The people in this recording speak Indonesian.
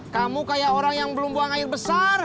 kamu kayak orang yang belum buang air besar